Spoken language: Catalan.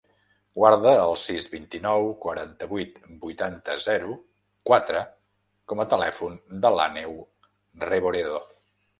Guarda el sis, vint-i-nou, quaranta-vuit, vuitanta, zero, quatre com a telèfon de l'Àneu Reboredo.